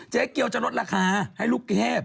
เจ๊เกียวจะลดราคาให้ลูกเทพ